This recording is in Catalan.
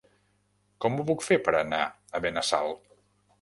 Com ho puc fer per anar a Benassal?